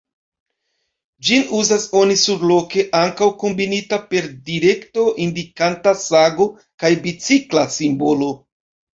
Ĝin uzas oni surloke ankaŭ kombinita per direkto-indikanta sago kaj bicikla simbolo.